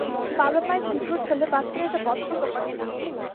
বাবা-মায়ের ডিভোর্স হলে বাচ্চারা এটা পছন্দ করে না।